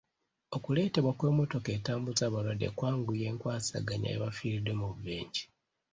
Okuleetebwa kw'emmotoka etambuza abalwadde kwanguya enkwasaganya y'abafiiridde mu bubenje.